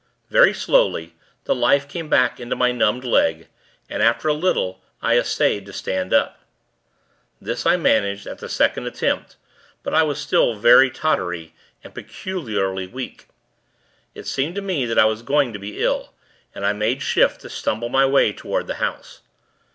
Very slowly, the life came back into my numbed leg, and, after a little, I essayed to stand up. This, I managed, at the second attempt; but I was very tottery, and peculiarly weak. It seemed to me, that I was going to be ill, and I made shift to stumble my way toward the house.